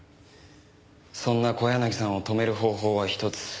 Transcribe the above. そんな小柳さんを止める方法は一つ。